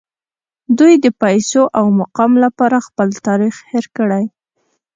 دوی د پیسو او مقام لپاره خپل تاریخ هیر کړی